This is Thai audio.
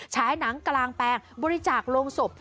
ฉายหนังกลางแปลงบริจาคโรงศพ